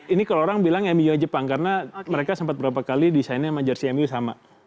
ini kalau orang bilang mu jepang karena mereka sempat berapa kali desainnya sama jersey mu sama